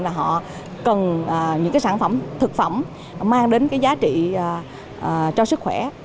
là họ cần những sản phẩm thực phẩm mang đến giá trị cho sức khỏe